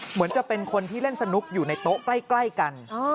เหมือนจะเป็นคนที่เล่นสนุกอยู่ในโต๊ะใกล้กัน